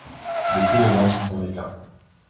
Depuis, les ventes sont en déclin.